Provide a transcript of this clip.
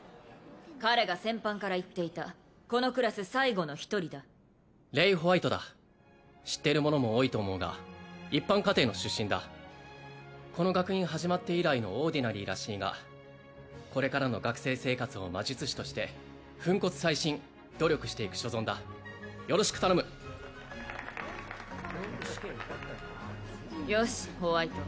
彼が先般から言っていたこのクラス最後の一人だレイ＝ホワイトだ知っている者も多いと思うが一般家庭の出身だこの学院始まって以来のオーディナリーらしいがこれからの学生生活を魔術師として粉骨砕身努力していく所存だよろしく頼むよく試験受かったよなよしホワイト